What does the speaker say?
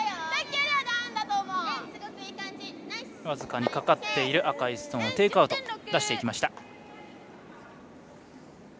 僅かにかかっている赤いストーンをテイクアウト、出しました。